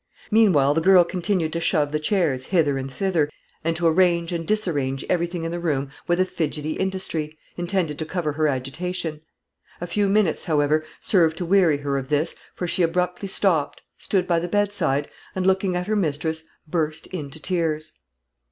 Meantime the girl continued to shove the chairs hither and thither, and to arrange and disarrange everything in the room with a fidgety industry, intended to cover her agitation. A few minutes, however, served to weary her of this, for she abruptly stopped, stood by the bedside, and, looking at her mistress, burst into tears.